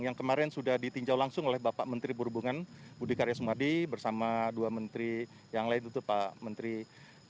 yang kemarin sudah ditinjau langsung oleh bapak menteri perhubungan budi karya sumadi bersama dua menteri yang lain itu pak menteri